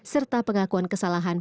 serta pengakuan kesalahan